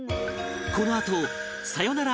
このあとさよなら！